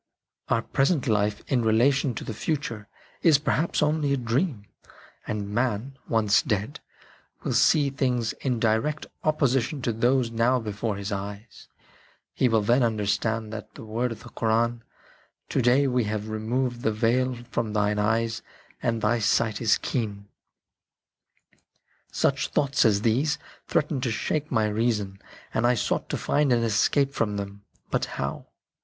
Our present life in relation to the future is perhaps only a dream, and man, once dead, will see things in direct opposition to those now before his eyes ; he will then understand that word of the Koran, " To day we have removed the veil from thine eyes and thy sight is keen." Such thoughts as these threatened to shake my reason, and I sought to find an escape from them. But how